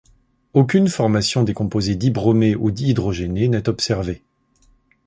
Aucune formation des composés dibromé ou dihydrogéné n'est observée.